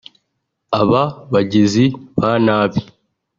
Aba bagizi ba nabi